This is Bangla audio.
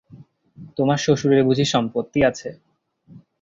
তোমার শ্বশুরের বুঝি সম্পত্তি আছে?